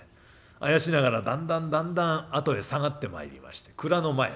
あやしながらだんだんだんだんあとへ下がってまいりまして蔵の前。